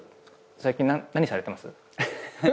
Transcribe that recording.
最近何されてます？